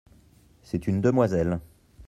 C'est une demoiselle.